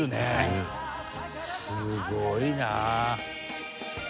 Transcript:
「すごいな」